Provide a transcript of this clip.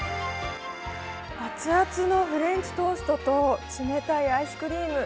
アツアツのフレンチトーストと冷たいアイスクリーム。